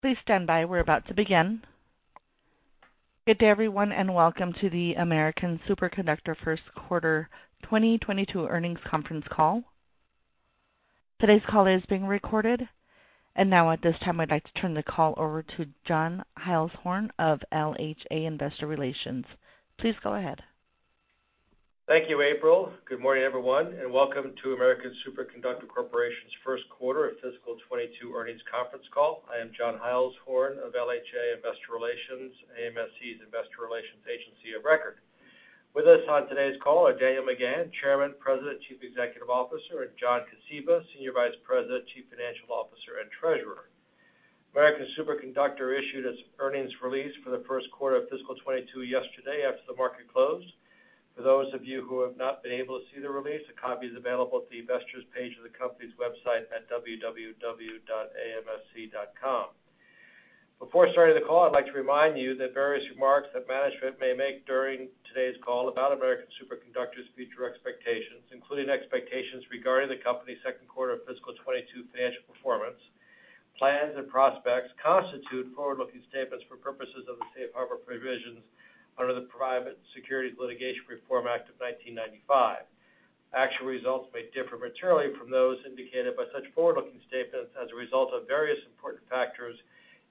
Good day, everyone, and welcome to the American Superconductor first quarter 2022 earnings conference call. Today's call is being recorded. Now at this time, I'd like to turn the call over to John Heilshorn of LHA Investor Relations. Please go ahead. Thank you, April. Good morning, everyone, and welcome to American Superconductor Corporation's first quarter of fiscal 2022 earnings conference call. I am John Heilshorn of LHA Investor Relations, AMSC's investor relations agency of record. With us on today's call are Daniel McGahn, Chairman, President, Chief Executive Officer, and John Kosiba, Senior Vice President, Chief Financial Officer, and Treasurer. American Superconductor issued its earnings release for the first quarter of fiscal 2022 yesterday after the market closed. For those of you who have not been able to see the release, a copy is available at the investors page of the company's website at www.amsc.com. Before starting the call, I'd like to remind you that various remarks that management may make during today's call about American Superconductor's future expectations, including expectations regarding the company's second quarter of fiscal 2022 financial performance, plans and prospects constitute forward-looking statements for purposes of the safe harbor provisions under the Private Securities Litigation Reform Act of 1995. Actual results may differ materially from those indicated by such forward-looking statements as a result of various important factors,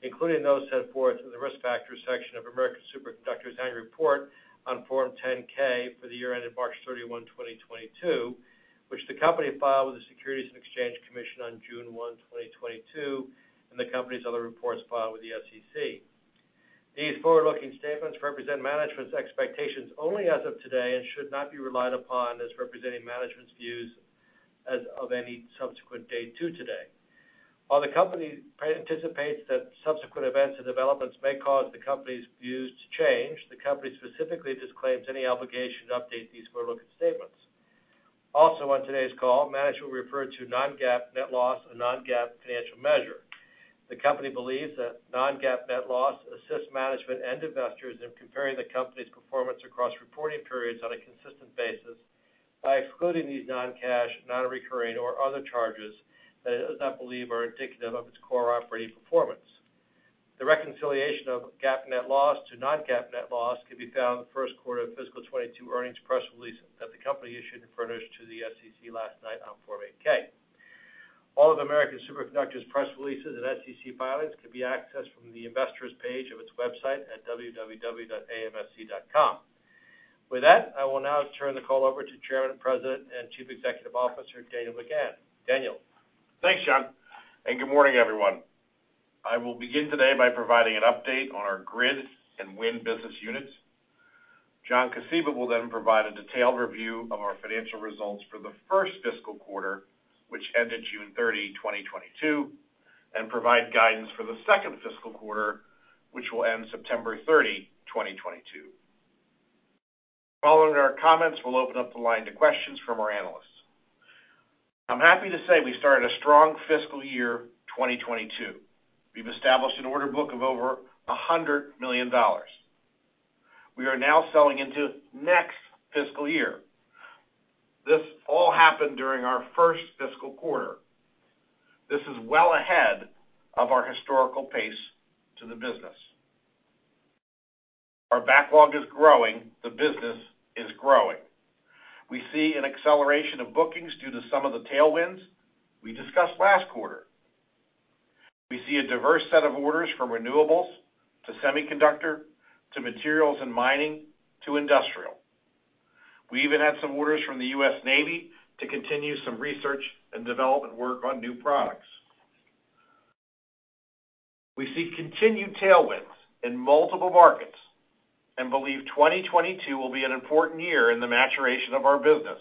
including those set forth in the Risk Factors section of American Superconductor's annual report on Form 10-K for the year ended March 31, 2022, which the company filed with the Securities and Exchange Commission on June 1, 2022, and the company's other reports filed with the SEC. These forward-looking statements represent management's expectations only as of today and should not be relied upon as representing management's views as of any subsequent date to today. While the company anticipates that subsequent events and developments may cause the company's views to change, the company specifically disclaims any obligation to update these forward-looking statements. Also on today's call, management referred to non-GAAP net loss, a non-GAAP financial measure. The company believes that non-GAAP net loss assists management and investors in comparing the company's performance across reporting periods on a consistent basis by excluding these non-cash, non-recurring or other charges that it does not believe are indicative of its core operating performance. The reconciliation of GAAP net loss to non-GAAP net loss can be found in the first quarter of fiscal 2022 earnings press release that the company issued and furnished to the SEC last night on Form 8-K. All of American Superconductor's press releases and SEC filings can be accessed from the investors page of its website at www.amsc.com. With that, I will now turn the call over to Chairman, President, and Chief Executive Officer, Daniel McGahn. Daniel? Thanks, John, and good morning, everyone. I will begin today by providing an update on our grid and wind business units. John Kosiba will then provide a detailed review of our financial results for the first fiscal quarter, which ended June 30, 2022, and provide guidance for the second fiscal quarter, which will end September 30, 2022. Following our comments, we'll open up the line to questions from our analysts. I'm happy to say we started a strong fiscal year 2022. We've established an order book of over $100 million. We are now selling into next fiscal year. This all happened during our first fiscal quarter. This is well ahead of our historical pace to the business. Our backlog is growing. The business is growing. We see an acceleration of bookings due to some of the tailwinds we discussed last quarter. We see a diverse set of orders from renewables to semiconductor, to materials and mining, to industrial. We even had some orders from the U.S. Navy to continue some research and development work on new products. We see continued tailwinds in multiple markets and believe 2022 will be an important year in the maturation of our business.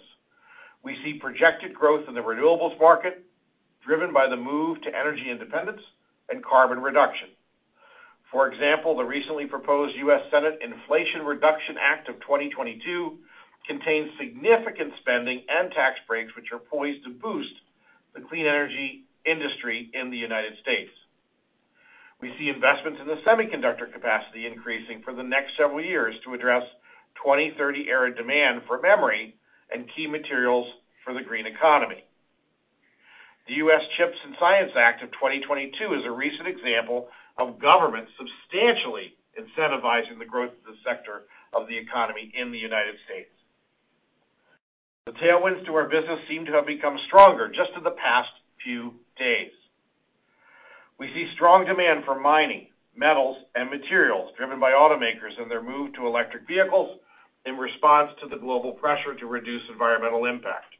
We see projected growth in the renewables market driven by the move to energy independence and carbon reduction. For example, the recently proposed U.S. Senate Inflation Reduction Act of 2022 contains significant spending and tax breaks, which are poised to boost the clean energy industry in the United States. We see investments in the semiconductor capacity increasing for the next several years to address 2030-era demand for memory and key materials for the green economy. The U.S. CHIPS and Science Act of 2022 is a recent example of government substantially incentivizing the growth of the sector of the economy in the United States. The tailwinds to our business seem to have become stronger just in the past few days. We see strong demand for mining, metals, and materials driven by automakers and their move to electric vehicles in response to the global pressure to reduce environmental impact.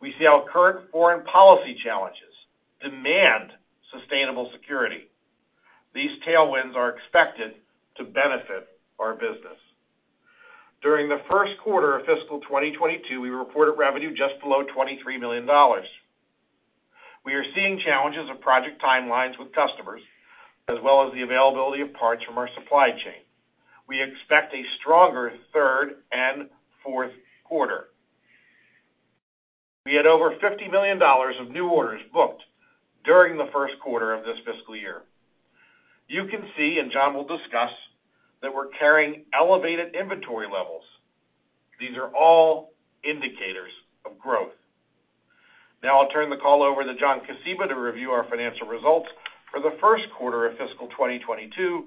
We see how current foreign policy challenges demand sustainable security. These tailwinds are expected to benefit our business. During the first quarter of fiscal 2022, we reported revenue just below $23 million. We are seeing challenges of project timelines with customers, as well as the availability of parts from our supply chain. We expect a stronger third and fourth quarter. We had over $50 million of new orders booked during the first quarter of this fiscal year. You can see, and John will discuss, that we're carrying elevated inventory levels. These are all indicators of growth. Now I'll turn the call over to John Kosiba to review our financial results for the first quarter of fiscal 2022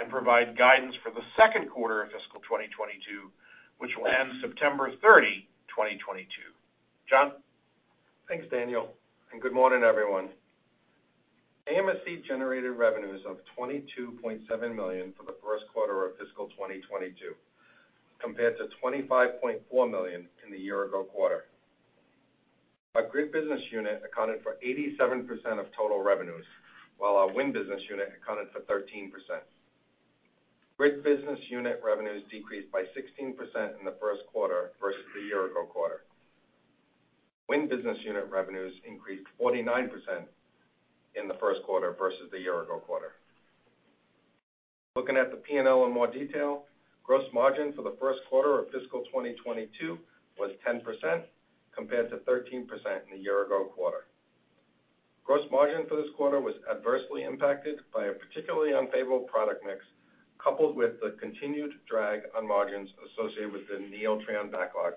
and provide guidance for the second quarter of fiscal 2022, which will end September 30, 2022. John? Thanks, Daniel, and good morning, everyone. AMSC generated revenues of $22.7 million for the first quarter of fiscal 2022, compared to $25.4 million in the year-ago quarter. Our grid business unit accounted for 87% of total revenues, while our wind business unit accounted for 13%. Grid business unit revenues decreased by 16% in the first quarter versus the year-ago quarter. Wind business unit revenues increased 49% in the first quarter versus the year-ago quarter. Looking at the P&L in more detail, gross margin for the first quarter of fiscal 2022 was 10% compared to 13% in the year-ago quarter. Gross margin for this quarter was adversely impacted by a particularly unfavorable product mix, coupled with the continued drag on margins associated with the Neeltran backlog.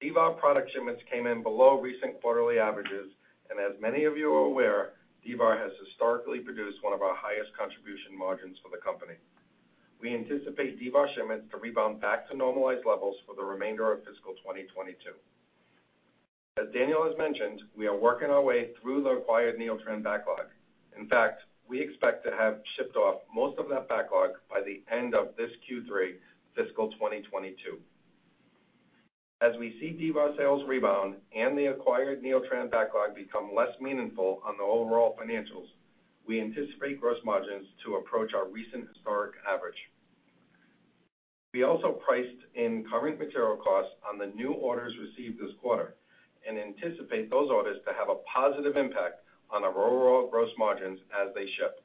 D-VAR product shipments came in below recent quarterly averages, and as many of you are aware, D-VAR has historically produced one of our highest contribution margins for the company. We anticipate D-VAR shipments to rebound back to normalized levels for the remainder of fiscal 2022. As Daniel has mentioned, we are working our way through the acquired Neeltran backlog. In fact, we expect to have shipped off most of that backlog by the end of this Q3 fiscal 2022. As we see D-VAR sales rebound and the acquired Neeltran backlog become less meaningful on the overall financials, we anticipate gross margins to approach our recent historic average. We also priced in current material costs on the new orders received this quarter and anticipate those orders to have a positive impact on our overall gross margins as they ship.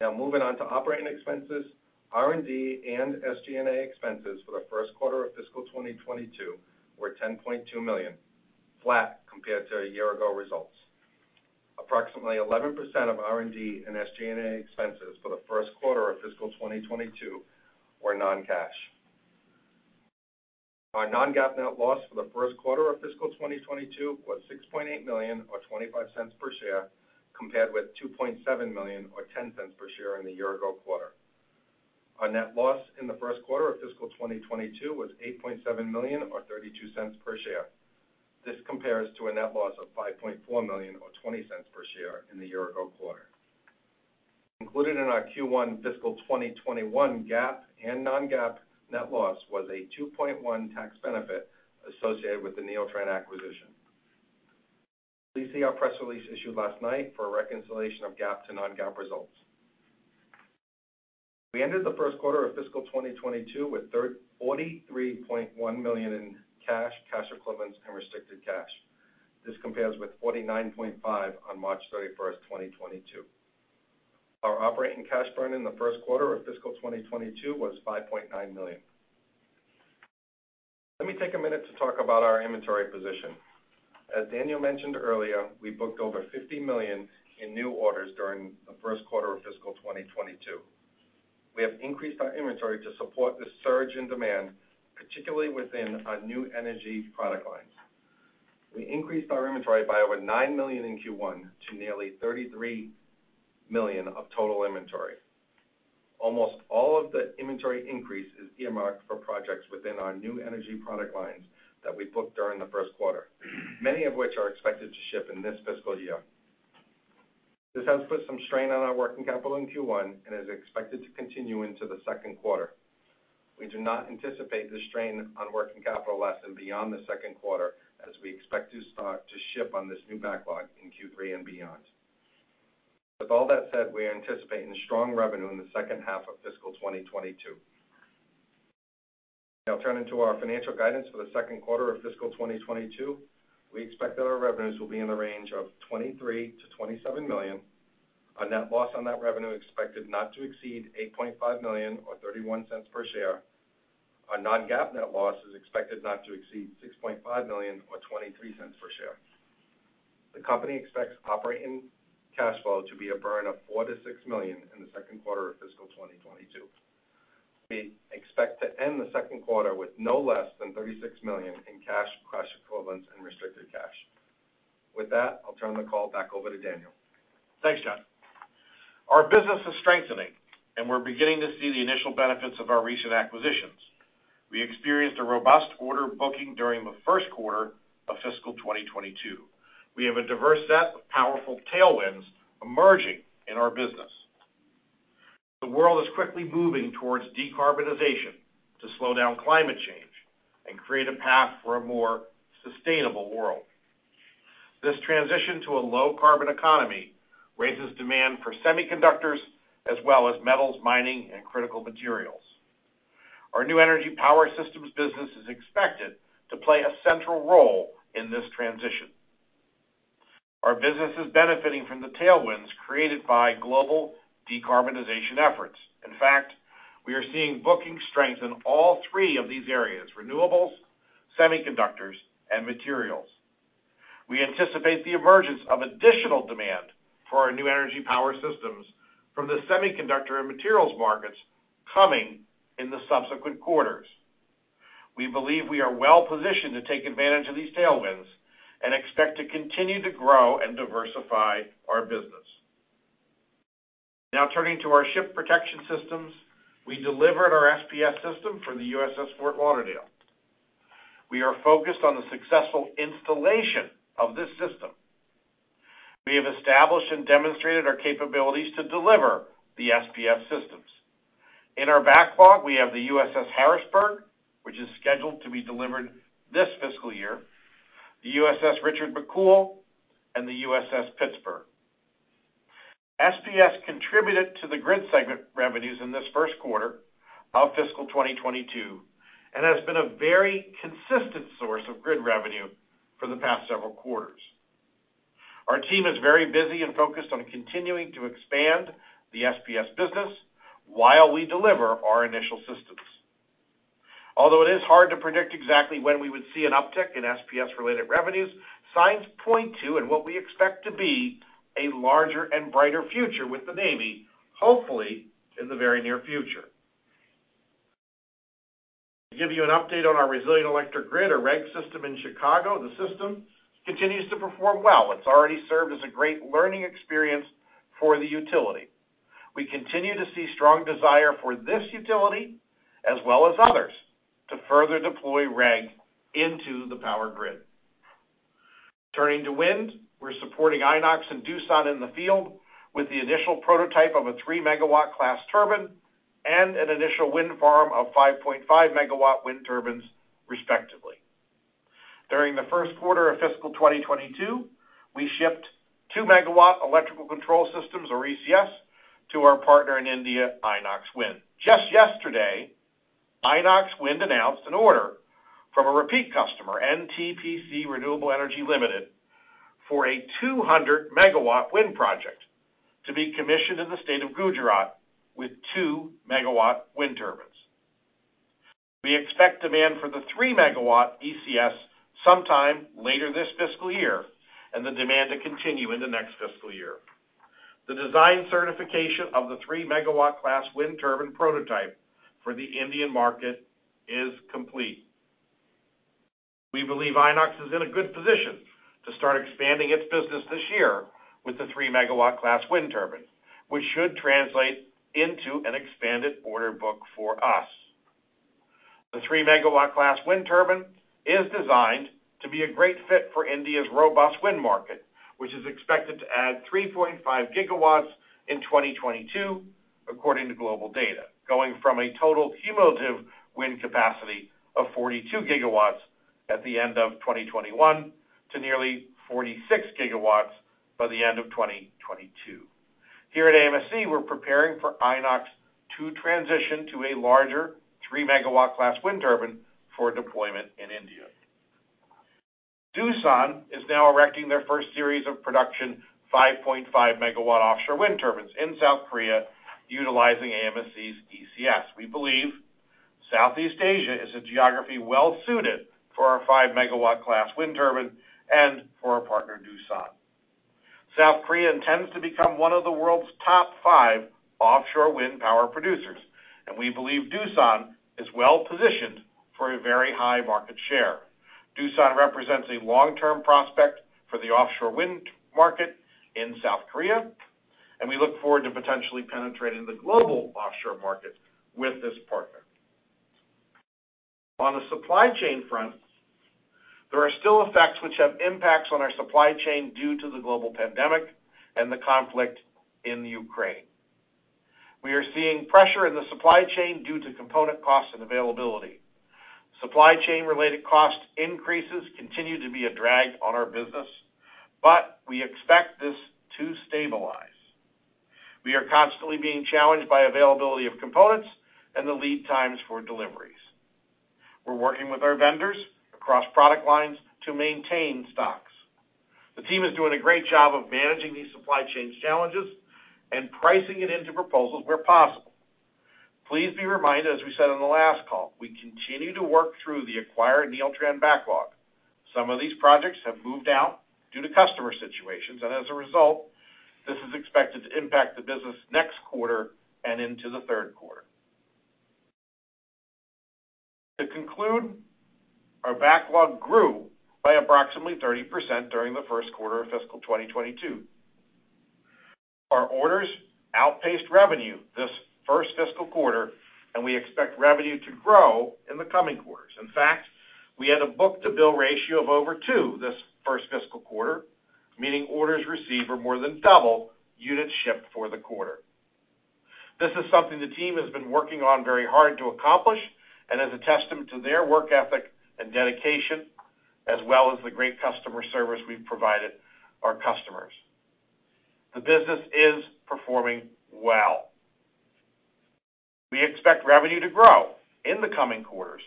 Now moving on to operating expenses, R&D and SG&A expenses for the first quarter of fiscal 2022 were $10.2 million, flat compared to a year-ago results. Approximately 11% of R&D and SG&A expenses for the first quarter of fiscal 2022 were non-cash. Our non-GAAP net loss for the first quarter of fiscal 2022 was $6.8 million or $0.25 per share, compared with $2.7 million or $0.10 per share in the year-ago quarter. Our net loss in the first quarter of fiscal 2022 was $8.7 million or $0.32 per share. This compares to a net loss of $5.4 million or $0.20 per share in the year-ago quarter. Included in our Q1 fiscal 2021 GAAP and non-GAAP net loss was a $2.1 million tax benefit associated with the Neeltran acquisition. Please see our press release issued last night for a reconciliation of GAAP to non-GAAP results. We ended the first quarter of fiscal 2022 with $43.1 million in cash equivalents, and restricted cash. This compares with $49.5 million on March 31, 2022. Our operating cash burn in the first quarter of fiscal 2022 was $5.9 million. Let me take a minute to talk about our inventory position. As Daniel mentioned earlier, we booked over $50 million in new orders during the first quarter of fiscal 2022. We have increased our inventory to support the surge in demand, particularly within our new energy product lines. We increased our inventory by over $9 million in Q1 to nearly $33 million of total inventory. Almost all of the inventory increase is earmarked for projects within our new energy product lines that we booked during the first quarter, many of which are expected to ship in this fiscal year. This has put some strain on our working capital in Q1 and is expected to continue into the second quarter. We do not anticipate the strain on working capital lessen beyond the second quarter as we expect to start to ship on this new backlog in Q3 and beyond. With all that said, we are anticipating strong revenue in the second half of fiscal 2022. Now turning to our financial guidance for the second quarter of fiscal 2022. We expect that our revenues will be in the range of $23 million-$27 million. Our net loss on that revenue expected not to exceed $8.5 million or $0.31 per share. Our non-GAAP net loss is expected not to exceed $6.5 million or $0.23 per share. The company expects operating cash flow to be a burn of $4 million-$6 million in the second quarter of fiscal 2022. We expect to end the second quarter with no less than $36 million in cash equivalents, and restricted cash. With that, I'll turn the call back over to Daniel. Thanks, John. Our business is strengthening, and we're beginning to see the initial benefits of our recent acquisitions. We experienced a robust order booking during the first quarter of fiscal 2022. We have a diverse set of powerful tailwinds emerging in our business. The world is quickly moving towards decarbonization to slow down climate change and create a path for a more sustainable world. This transition to a low-carbon economy raises demand for semiconductors as well as metals, mining, and critical materials. Our new energy power systems business is expected to play a central role in this transition. Our business is benefiting from the tailwinds created by global decarbonization efforts. In fact, we are seeing booking strength in all three of these areas, renewables, semiconductors, and materials. We anticipate the emergence of additional demand for our new energy power systems from the semiconductor and materials markets coming in the subsequent quarters. We believe we are well-positioned to take advantage of these tailwinds and expect to continue to grow and diversify our business. Now turning to our Ship Protection Systems, we delivered our SPS system for the USS Fort Lauderdale. We are focused on the successful installation of this system. We have established and demonstrated our capabilities to deliver the SPS systems. In our backlog, we have the USS Harrisburg, which is scheduled to be delivered this fiscal year, the USS Richard McCool, and the USS Pittsburgh. SPS contributed to the grid segment revenues in this first quarter of fiscal 2022 and has been a very consistent source of grid revenue for the past several quarters. Our team is very busy and focused on continuing to expand the SPS business while we deliver our initial systems. Although it is hard to predict exactly when we would see an uptick in SPS-related revenues, signs point to and what we expect to be a larger and brighter future with the Navy, hopefully in the very near future. To give you an update on our Resilient Electric Grid, or REG system in Chicago, the system continues to perform well. It's already served as a great learning experience for the utility. We continue to see strong desire for this utility as well as others to further deploy REG into the power grid. Turning to wind, we're supporting Inox and Doosan in the field with the initial prototype of a 3-MW class turbine and an initial wind farm of 5.5-MW wind turbines, respectively. During the first quarter of fiscal 2022, we shipped 2-MW electrical control systems, or ECS, to our partner in India, Inox Wind. Just yesterday, Inox Wind announced an order from a repeat customer, NTPC Renewable Energy Limited, for a 200 MW wind project to be commissioned in the state of Gujarat with 2 MW wind turbines. We expect demand for the 3-MW ECS sometime later this fiscal year and the demand to continue in the next fiscal year. The design certification of the 3-MW class wind turbine prototype for the Indian market is complete. We believe Inox is in a good position to start expanding its business this year with the 3-MW class wind turbine, which should translate into an expanded order book for us. The 3-MW class wind turbine is designed to be a great fit for India's robust wind market, which is expected to add 3.5 GW in 2022, according to GlobalData, going from a total cumulative wind capacity of 42 GW at the end of 2021 to nearly 46 GW by the end of 2022. Here at AMSC, we're preparing for Inox to transition to a larger 3-MW class wind turbine for deployment in India. Doosan is now erecting their first series of production 5.5-MW offshore wind turbines in South Korea utilizing AMSC's ECS. We believe Southeast Asia is a geography well-suited for our 5-MW class wind turbine and for our partner, Doosan. South Korea intends to become one of the world's top five offshore wind power producers, and we believe Doosan is well-positioned for a very high market share. Doosan represents a long-term prospect for the offshore wind market in South Korea, and we look forward to potentially penetrating the global offshore market with this partner. On the supply chain front, there are still effects which have impacts on our supply chain due to the global pandemic and the conflict in Ukraine. We are seeing pressure in the supply chain due to component costs and availability. Supply chain-related cost increases continue to be a drag on our business, but we expect this to stabilize. We are constantly being challenged by availability of components and the lead times for deliveries. We're working with our vendors across product lines to maintain stocks. The team is doing a great job of managing these supply chain challenges and pricing it into proposals where possible. Please be reminded, as we said on the last call, we continue to work through the acquired Neeltran backlog. Some of these projects have moved out due to customer situations, and as a result, this is expected to impact the business next quarter and into the third quarter. To conclude, our backlog grew by approximately 30% during the first quarter of fiscal 2022. Our orders outpaced revenue this first fiscal quarter, and we expect revenue to grow in the coming quarters. In fact, we had a book-to-bill ratio of over 2x this first fiscal quarter, meaning orders received were more than double units shipped for the quarter. This is something the team has been working on very hard to accomplish and is a testament to their work ethic and dedication as well as the great customer service we've provided our customers. The business is performing well. We expect revenue to grow in the coming quarters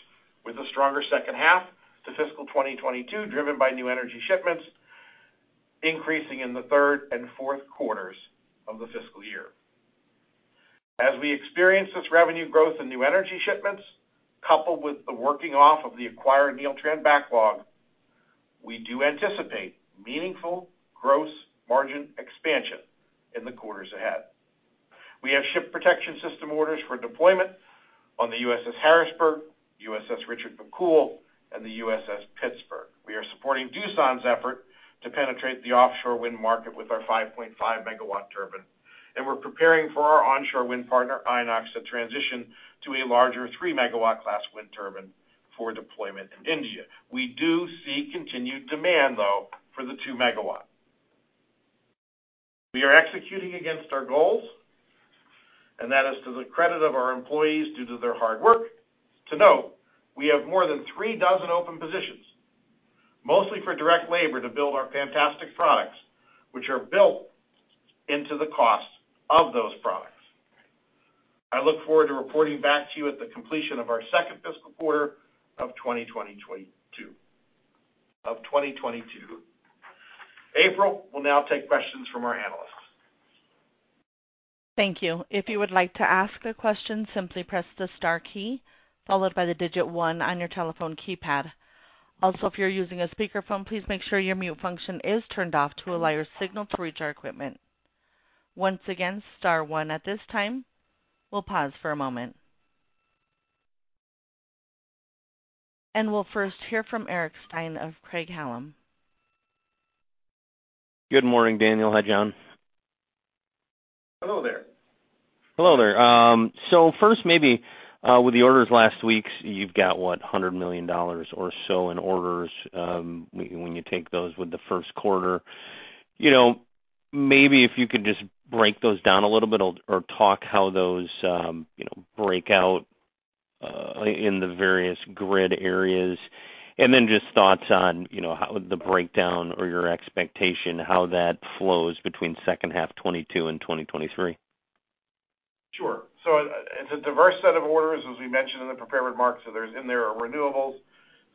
with a stronger second half to fiscal 2022 driven by new energy shipments increasing in the third and fourth quarters of the fiscal year. As we experience this revenue growth in new energy shipments, coupled with the working off of the acquired Neeltran backlog, we do anticipate meaningful gross margin expansion in the quarters ahead. We have Ship Protection Systems orders for deployment on the USS Harrisburg, USS Richard McCool, and the USS Pittsburgh. We are supporting Doosan's effort to penetrate the offshore wind market with our 5.5-MW turbine, and we're preparing for our onshore wind partner, Inox, to transition to a larger 3-MW class wind turbine for deployment in India. We do see continued demand, though, for the 2-MW. We are executing against our goals, and that is to the credit of our employees due to their hard work. To note, we have more than three dozen open positions, mostly for direct labor, to build our fantastic products, which are built into the cost of those products. I look forward to reporting back to you at the completion of our second fiscal quarter of 2022. April will now take questions from our analysts. Thank you. If you would like to ask a question, simply press the star key followed by the digit one on your telephone keypad. Also, if you're using a speakerphone, please make sure your mute function is turned off to allow your signal to reach our equipment. Once again, star one. At this time, we'll pause for a moment. We'll first hear from Eric Stine of Craig-Hallum. Good morning, Daniel. Hi, John. Hello there. Hello there. First maybe with the orders last week, you've got what, $100 million or so in orders, when you take those with the first quarter? You know, maybe if you could just break those down a little bit or talk how those, you know, break out in the various grid areas. Then just thoughts on, you know, how the breakdown or your expectation, how that flows between second half 2022 and 2023. Sure. It's a diverse set of orders, as we mentioned in the prepared remarks. There are renewables,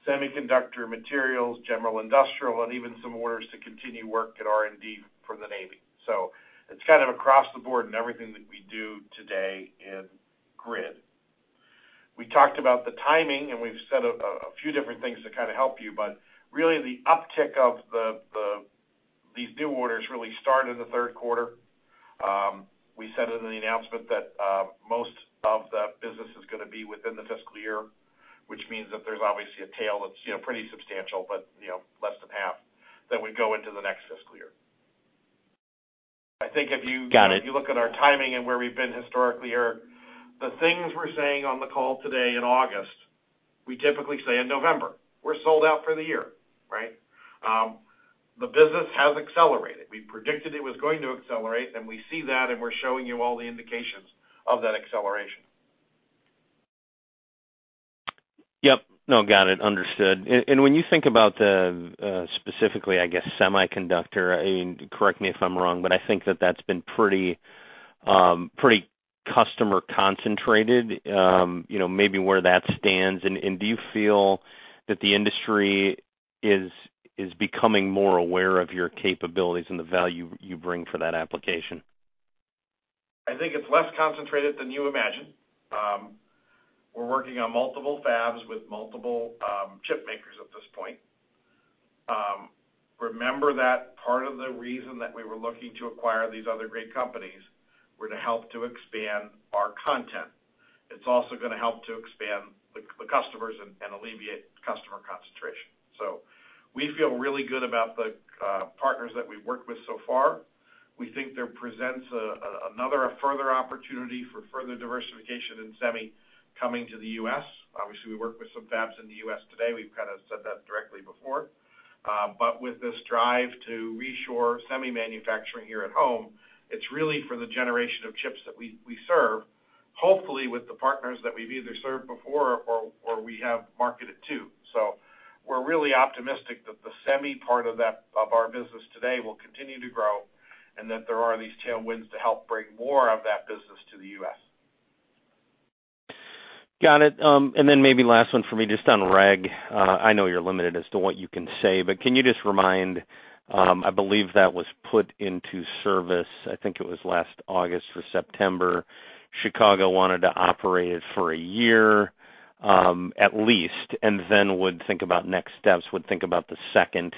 semiconductor materials, general industrial, and even some orders to continue work at R&D for the Navy. It's kind of across the board in everything that we do today in grid. We talked about the timing, and we've said a few different things to kind of help you, but really the uptick of these new orders really start in the third quarter. We said it in the announcement that most of the business is gonna be within the fiscal year, which means that there's obviously a tail that's, you know, pretty substantial, but, you know, less than half that would go into the next fiscal year. I think if you. Got it. If you look at our timing and where we've been historically, Eric, the things we're saying on the call today in August, we typically say in November, we're sold out for the year, right? The business has accelerated. We predicted it was going to accelerate, and we see that, and we're showing you all the indications of that acceleration. Yep. No, got it. Understood. When you think about the specifically, I guess, semiconductor, and correct me if I'm wrong, but I think that that's been pretty customer concentrated, you know, maybe where that stands. Do you feel that the industry is becoming more aware of your capabilities and the value you bring for that application? I think it's less concentrated than you imagine. We're working on multiple fabs with multiple chip makers at this point. Remember that part of the reason that we were looking to acquire these other great companies were to help to expand our content. It's also gonna help to expand the customers and alleviate customer concentration. We feel really good about the partners that we've worked with so far. We think there presents another further opportunity for further diversification in semi coming to the U.S. Obviously, we work with some fabs in the U.S. today. We've kinda said that directly before. With this drive to reshore semi manufacturing here at home, it's really for the generation of chips that we serve, hopefully with the partners that we've either served before or we have marketed to. We're really optimistic that the semi part of that, of our business today will continue to grow, and that there are these tailwinds to help bring more of that business to the U.S. Got it. Maybe last one for me, just on REG. I know you're limited as to what you can say, but can you just remind, I believe that was put into service, I think it was last August or September. Chicago wanted to operate it for a year, at least, and then would think about next steps, would think about the second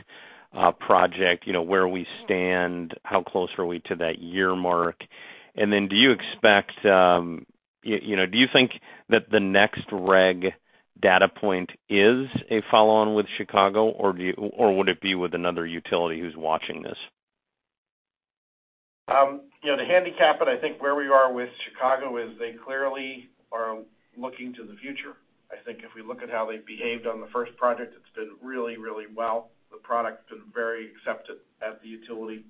project, you know, where we stand, how close are we to that year mark? Do you expect, you know, do you think that the next REG data point is a follow-on with Chicago, or would it be with another utility who's watching this? You know, to handicap it, I think where we are with Chicago is they clearly are looking to the future. I think if we look at how they've behaved on the first project, it's been really well. The product's been very accepted at the utility.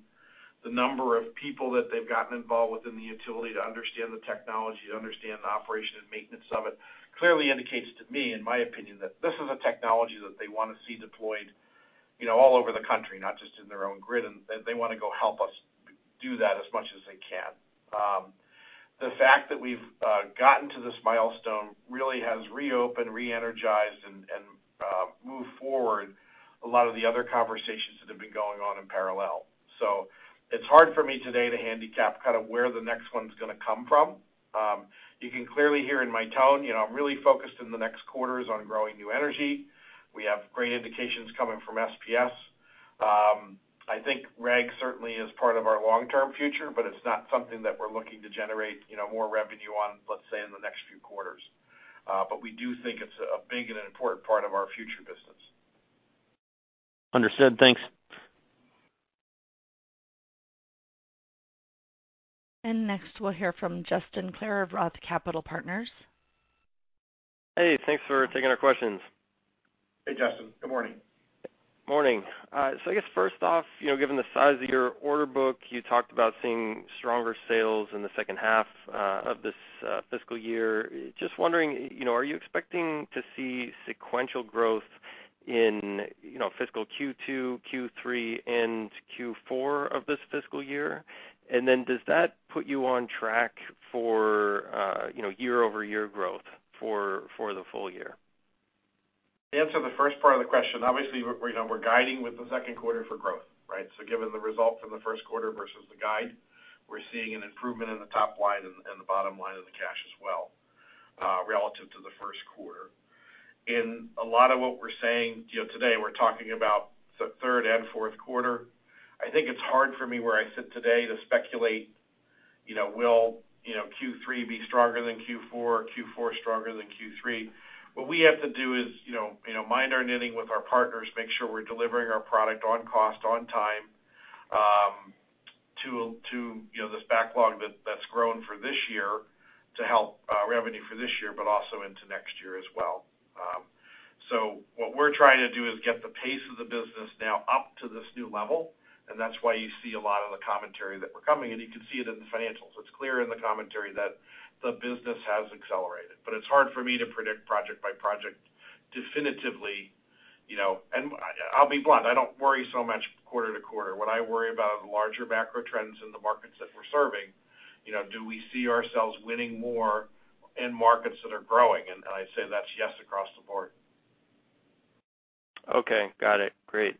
The number of people that they've gotten involved within the utility to understand the technology, to understand the operation and maintenance of it, clearly indicates to me, in my opinion, that this is a technology that they wanna see deployed, you know, all over the country, not just in their own grid, and they want to go help us do that as much as they can. The fact that we've gotten to this milestone really has reopened, re-energized, and moved forward a lot of the other conversations that have been going on in parallel. It's hard for me today to handicap kind of where the next one's gonna come from. You can clearly hear in my tone, you know, I'm really focused in the next quarters on growing new energy. We have great indications coming from SPS. I think REG certainly is part of our long-term future, but it's not something that we're looking to generate, you know, more revenue on, let's say, in the next few quarters. But we do think it's a big and an important part of our future business. Understood. Thanks. Next, we'll hear from Justin Clare of Roth Capital Partners. Hey, thanks for taking our questions. Hey, Justin. Good morning. Morning. I guess first off, you know, given the size of your order book, you talked about seeing stronger sales in the second half of this fiscal year. Just wondering, you know, are you expecting to see sequential growth in, you know, fiscal Q2, Q3, and Q4 of this fiscal year? Does that put you on track for, you know, year-over-year growth for the full year? To answer the first part of the question, obviously we're, you know, guiding with the second quarter for growth, right? Given the results from the first quarter versus the guide, we're seeing an improvement in the top line and the bottom line, and the cash as well, relative to the first quarter. In a lot of what we're saying, you know, today we're talking about the third and fourth quarter. I think it's hard for me where I sit today to speculate, you know, will Q3 be stronger than Q4 or Q4 stronger than Q3. What we have to do is, you know, mind our knitting with our partners, make sure we're delivering our product on cost, on time, to you know, this backlog that's grown for this year to help revenue for this year, but also into next year as well. What we're trying to do is get the pace of the business now up to this new level, and that's why you see a lot of the commentary that we're coming, and you can see it in the financials. It's clear in the commentary that the business has accelerated, but it's hard for me to predict project by project definitively, you know. I'll be blunt, I don't worry so much quarter-to-quarter. What I worry about are the larger macro trends in the markets that we're serving. You know, do we see ourselves winning more in markets that are growing? I say that's yes across the board. Okay. Got it. Great.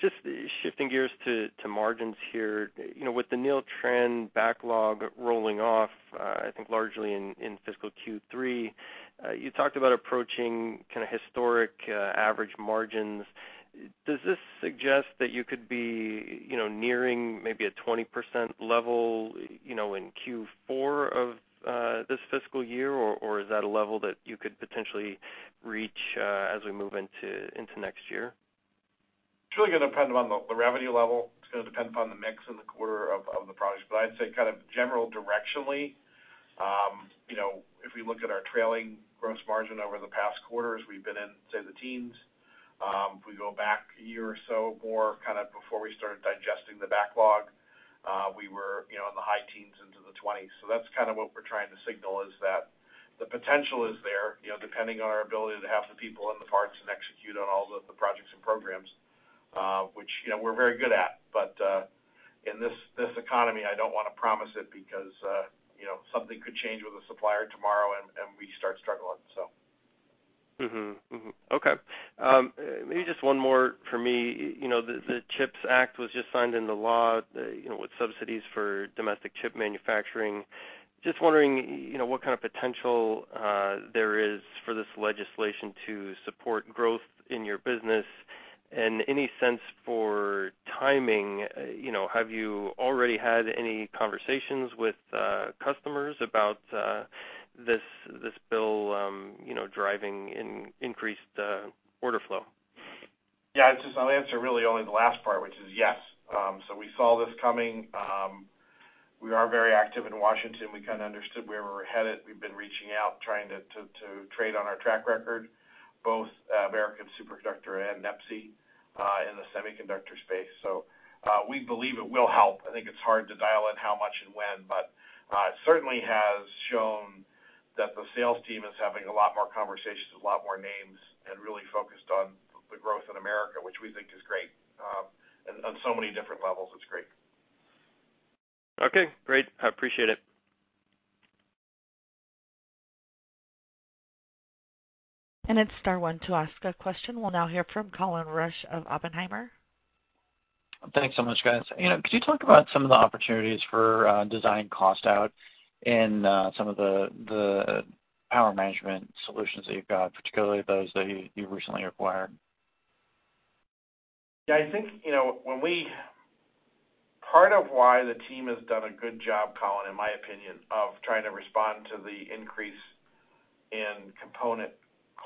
Just shifting gears to margins here. You know, with the Neeltran backlog rolling off, I think largely in fiscal Q3, you talked about approaching kinda historic average margins. Does this suggest that you could be, you know, nearing maybe a 20% level, you know, in Q4 of this fiscal year, or is that a level that you could potentially reach as we move into next year? It's really gonna depend upon the revenue level. It's gonna depend upon the mix in the quarter of the products. I'd say kind of general directionally, you know, if we look at our trailing gross margin over the past quarters, we've been in, say, the teens. If we go back a year or so more, kind of before we started digesting the backlog, we were, you know, in the high teens into the 20s. That's kind of what we're trying to signal is that the potential is there, you know, depending on our ability to have the people and the parts and execute on all the projects and programs, which, you know, we're very good at. In this economy, I don't wanna promise it because, you know, something could change with a supplier tomorrow and we start struggling. Okay. Maybe just one more for me. You know, the CHIPS Act was just signed into law, you know, with subsidies for domestic chip manufacturing. Just wondering, you know, what kind of potential there is for this legislation to support growth in your business. Any sense for timing? You know, have you already had any conversations with customers about this bill, you know, driving an increased order flow? Yeah. Just I'll answer really only the last part, which is yes. We saw this coming. We are very active in Washington. We kinda understood where we're headed. We've been reaching out, trying to trade on our track record, both American Superconductor and NEPSI, in the semiconductor space. We believe it will help. I think it's hard to dial in how much and when, but it certainly has shown that the sales team is having a lot more conversations, a lot more names, and really focused on the growth in America, which we think is great. On so many different levels, it's great. Okay, great. I appreciate it. It's star one to ask a question. We'll now hear from Colin Rusch of Oppenheimer. Thanks so much, guys. You know, could you talk about some of the opportunities for design cost out and some of the power management solutions that you've got? Particularly those that you recently acquired. Yeah, I think, you know, part of why the team has done a good job, Colin, in my opinion, of trying to respond to the increase in component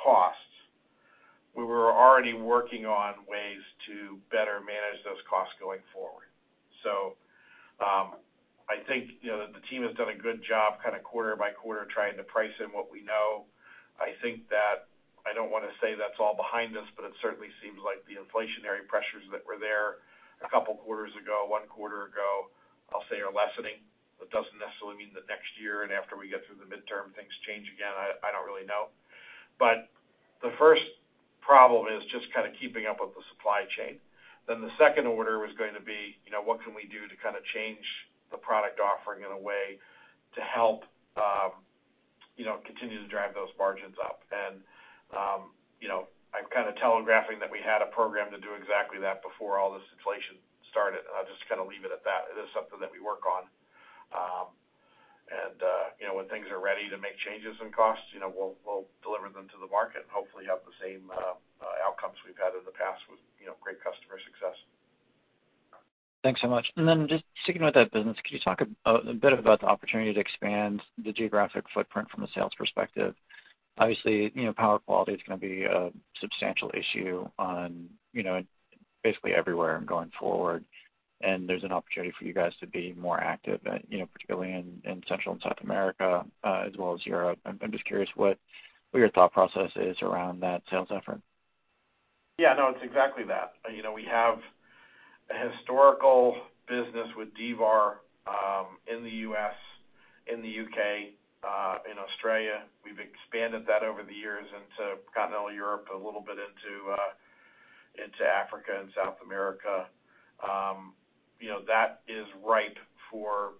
costs, we were already working on ways to better manage those costs going forward. I think, you know, the team has done a good job kinda quarter-by-quarter trying to price in what we know. I think that I don't wanna say that's all behind us, but it certainly seems like the inflationary pressures that were there a couple quarters ago, one quarter ago, I'll say, are lessening. That doesn't necessarily mean that next year and after we get through the midterm things change again, I don't really know. The first problem is just kind of keeping up with the supply chain. The second order was going to be, you know, what can we do to kind of change the product offering in a way to help, you know, continue to drive those margins up. You know, I'm kind of telegraphing that we had a program to do exactly that before all this inflation started, and I'll just kind of leave it at that. It is something that we work on. You know, when things are ready to make changes in costs, you know, we'll deliver them to the market and hopefully have the same outcomes we've had in the past with, you know, great customer success. Thanks so much. Just sticking with that business, can you talk a bit about the opportunity to expand the geographic footprint from a sales perspective? Obviously, you know, power quality is gonna be a substantial issue in, you know, basically everywhere going forward, and there's an opportunity for you guys to be more active, you know, particularly in Central and South America, as well as Europe. I'm just curious what your thought process is around that sales effort. Yeah, no, it's exactly that. You know, we have a historical business with D-VAR in the U.S., in the U.K., in Australia. We've expanded that over the years into continental Europe, a little bit into Africa and South America. You know, that is ripe for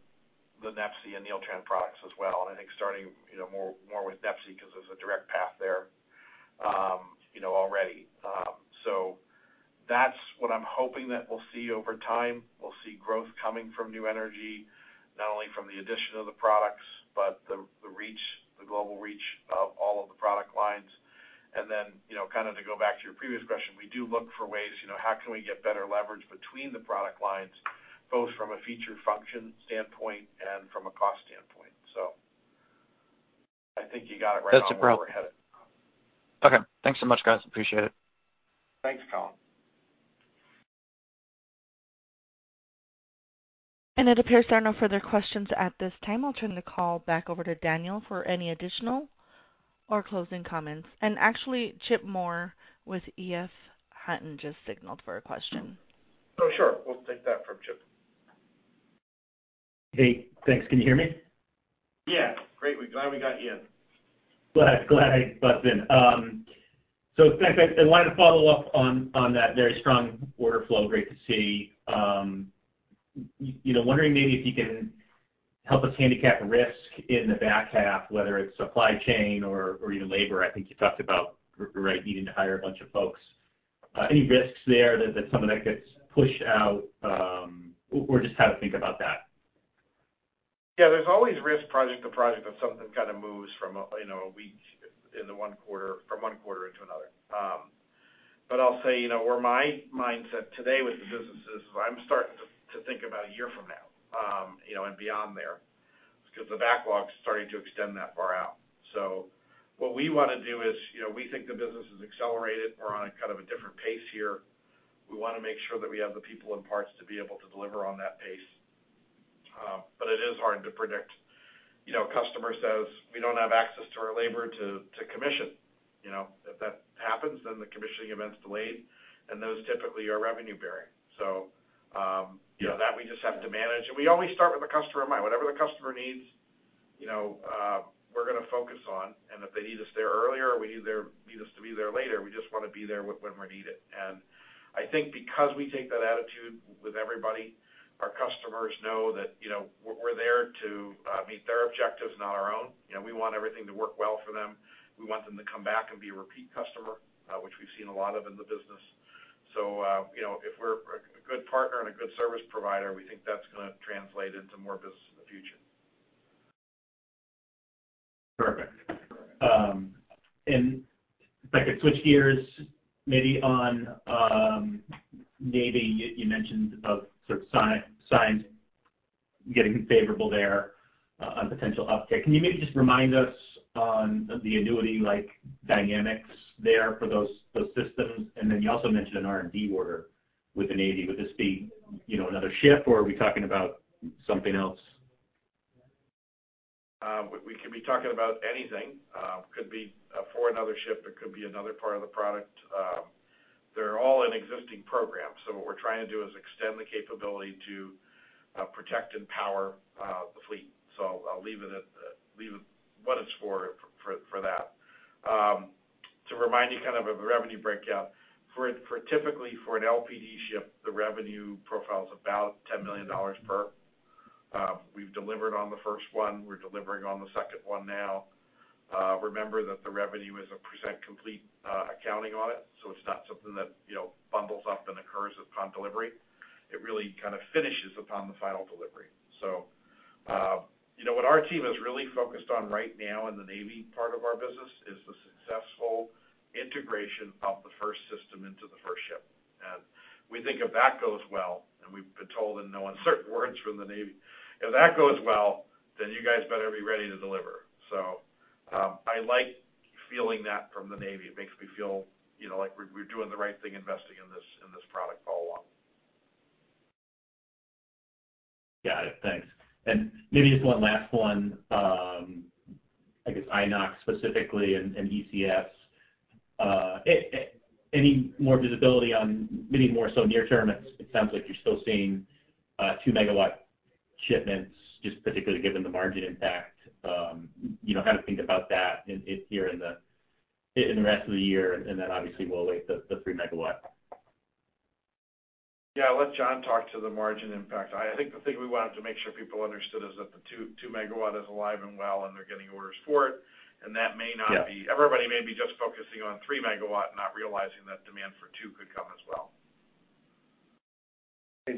the NEPSI and Neeltran products as well. I think starting more with NEPSI 'cause there's a direct path there already. That's what I'm hoping that we'll see over time. We'll see growth coming from new energy, not only from the addition of the products, but the reach, the global reach of all of the product lines. You know, kind of to go back to your previous question, we do look for ways, you know, how can we get better leverage between the product lines, both from a feature function standpoint and from a cost standpoint. I think you got it right on where we're headed. Okay. Thanks so much, guys. Appreciate it. Thanks, Colin. It appears there are no further questions at this time. I'll turn the call back over to Daniel for any additional or closing comments. Actually, Chip Moore with EF Hutton just signaled for a question. Oh, sure. We'll take that from Chip. Hey, thanks. Can you hear me? Yeah. Great. We're glad we got you. Glad I busted in. In fact, I wanted to follow up on that very strong order flow. Great to see. You know, wondering maybe if you can help us handicap risk in the back half, whether it's supply chain or even labor. I think you talked about right needing to hire a bunch of folks. Any risks there that some of that gets pushed out, or just how to think about that? Yeah, there's always risk project to project if something kind of moves from one quarter into another. I'll say, you know, where my mindset today with the business is, I'm starting to think about a year from now, you know, and beyond there, 'cause the backlog's starting to extend that far out. What we wanna do is, you know, we think the business is accelerated. We're on a kind of a different pace here. We wanna make sure that we have the people and parts to be able to deliver on that pace. It is hard to predict. You know, customer says we don't have access to our labor to commission, you know. If that happens, then the commissioning event's delayed, and those typically are revenue bearing. You know, that we just have to manage. We always start with the customer in mind. Whatever the customer needs, you know, we're gonna focus on, and if they need us there earlier or need us to be there later, we just wanna be there when we're needed. I think because we take that attitude with everybody, our customers know that, you know, we're there to meet their objectives, not our own. You know, we want everything to work well for them. We want them to come back and be a repeat customer, which we've seen a lot of in the business. You know, if we're a good partner and a good service provider, we think that's gonna translate into more business in the future. Perfect. If I could switch gears maybe on Navy. You mentioned some sort of signs getting favorable there on potential uptick. Can you maybe just remind us on the annuity like dynamics there for those systems? Then you also mentioned an R&D order with the Navy. Would this be, you know, another ship, or are we talking about something else? We could be talking about anything. Could be for another ship, it could be another part of the product. They're all in existing programs, so what we're trying to do is extend the capability to protect and power the fleet. I'll leave it at what it's for. To remind you kind of the revenue breakout. For a typical LPD ship, the revenue profile is about $10 million per. We've delivered on the first one. We're delivering on the second one now. Remember that the revenue is a percent complete accounting on it, so it's not something that, you know, bundles up and occurs upon delivery. It really kind of finishes upon the final delivery. You know, what our team is really focused on right now in the Navy part of our business is the successful integration of the first system into the first ship. We think if that goes well, and we've been told in no uncertain words from the Navy, "If that goes well, then you guys better be ready to deliver." I like feeling that from the Navy. It makes me feel, you know, like we're doing the right thing investing in this product all along. Got it. Thanks. Maybe just one last one. I guess Inox specifically and ECS. Any more visibility on maybe more so near term? It sounds like you're still seeing 2-MW shipments, just particularly given the margin impact, you know, how to think about that in the rest of the year, and then obviously we'll wait for the 3-MW. Yeah, I'll let John talk to the margin impact. I think the thing we wanted to make sure people understood is that the 2 MW is alive and well, and they're getting orders for it. That may not be. Yeah. Everybody may be just focusing on 3 MW, not realizing that demand for 2 MW could come as well.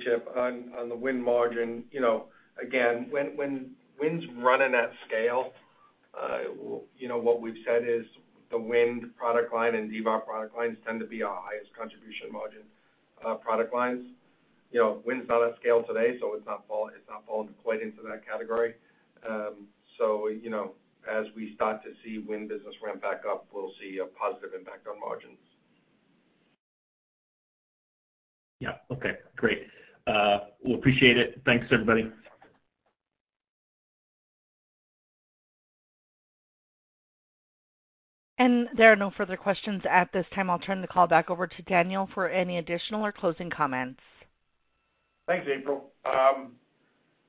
Chip, on the wind margin, you know, again, when wind's running at scale, you know, what we've said is the wind product line and D-VAR product lines tend to be our highest contribution margin, product lines. You know, wind's not at scale today, so it's not falling quite into that category. So, you know, as we start to see wind business ramp back up, we'll see a positive impact on margins. Yeah. Okay, great. Well, appreciate it. Thanks, everybody. There are no further questions at this time. I'll turn the call back over to Daniel for any additional or closing comments. Thanks, April.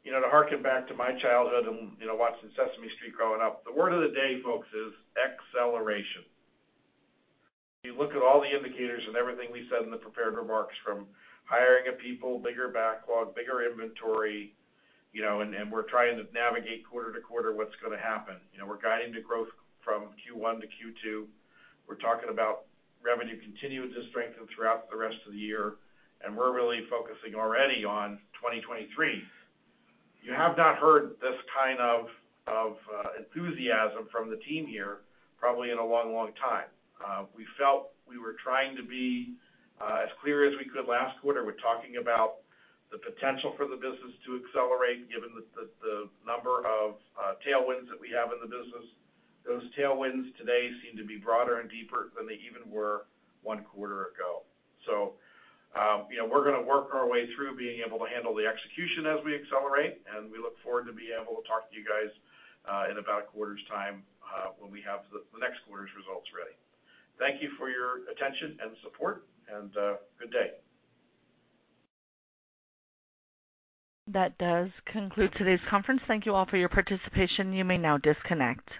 You know, to hearken back to my childhood and, you know, watching Sesame Street growing up, the word of the day, folks, is acceleration. You look at all the indicators and everything we said in the prepared remarks from hiring of people, bigger backlog, bigger inventory, you know, and we're trying to navigate quarter-to-quarter what's gonna happen. You know, we're guiding the growth from Q1 to Q2. We're talking about revenue continuing to strengthen throughout the rest of the year, and we're really focusing already on 2023. You have not heard this kind of enthusiasm from the team here probably in a long, long time. We felt we were trying to be as clear as we could last quarter. We're talking about the potential for the business to accelerate given the number of tailwinds that we have in the business. Those tailwinds today seem to be broader and deeper than they even were one quarter ago. You know, we're gonna work our way through being able to handle the execution as we accelerate, and we look forward to being able to talk to you guys in about a quarter's time when we have the next quarter's results ready. Thank you for your attention and support, and good day. That does conclude today's conference. Thank you all for your participation. You may now disconnect.